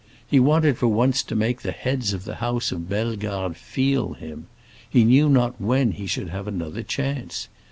He wanted for once to make the heads of the house of Bellegarde feel him; he knew not when he should have another chance.